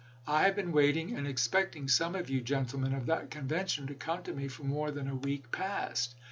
I have been waiting and expecting some of you gentlemen of that convention to come to me for more than a week past.